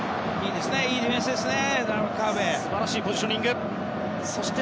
いいディフェンスですね。